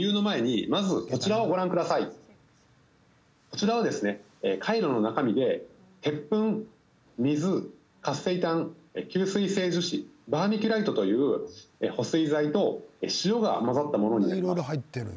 こちらはカイロの中身で鉄粉、水、活性炭、吸水性樹脂バーミキュライトという保水剤と塩が混ざったものになります。